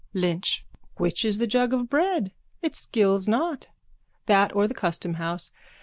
_ LYNCH: Which is the jug of bread? It skills not. That or the customhouse.